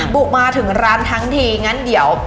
บุกมาถึงร้านทั้งทีงั้นเดี๋ยว